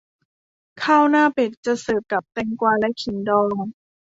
ข้าวหน้าเป็ดจะเสิร์ฟกับแตงกวาและขิงดอง